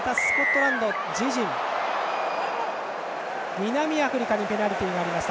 南アフリカにペナルティーがありました。